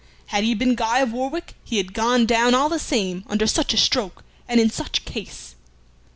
Had he been Guy of Warwick he had gone down all the same under such a stroke and in such case."